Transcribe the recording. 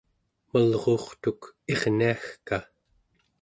malruurtuk irniagka